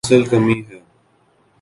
اصل کمی ہے۔